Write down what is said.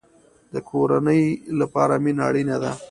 د کورنۍ لپاره مینه اړین ده